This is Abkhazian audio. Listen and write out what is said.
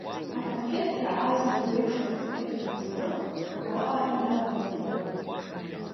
Аконфеҭҭра азна еиуеиԥшым аконфеҭқәа анҵаны, уаҟа инавалыргылт.